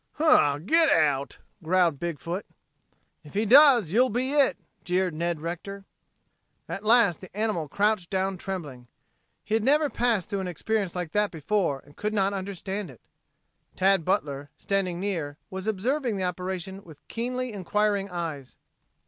"Huh! Get out!" growled Big foot. "If he does, you'll be it," jeered Ned Rector. At last the animal crouched down trembling. He had never passed through an experience like that before and could not understand it. Tad Butler standing near, was observing the operation with keenly inquiring eyes.